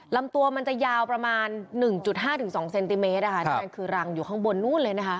ลำตัวมันจะยาวประมาณ๑๕๒เซนติเมตรนั่นคือรังอยู่ข้างบนนู้นเลยนะคะ